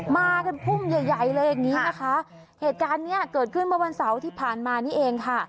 มากันพุ่งใหญ่ใหญ่เลยอย่างนี้นะคะเหตุการณ์เนี้ยเกิดขึ้นเมื่อวันเสาร์ที่ผ่านมานี่เองค่ะ